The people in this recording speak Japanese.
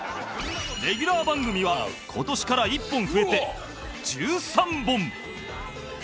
レギュラー番組は今年から１本増えて１３本